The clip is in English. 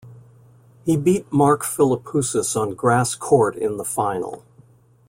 He beat Mark Philippoussis on grass court in the final.